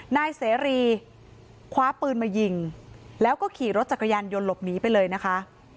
นายเสรีคว้าปืนมายิงแล้วก็ขี่รถจักรยานยนต์หลบหนีไปเลยนะคะ